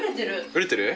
熟れてる？